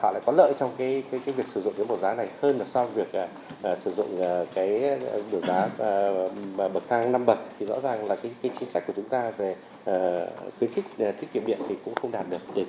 rõ ràng là chính sách của chúng ta về khuyến khích tiết kiệm điện thì cũng không đạt được